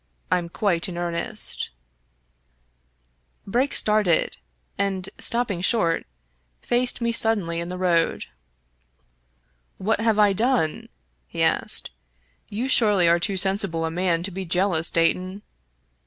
I'm quite in earnest" Brake started, and, stopping short, faced me suddenly in the road. " What have I done ?" he asked. " You surely are too sensible a man to be jealous, Dayton."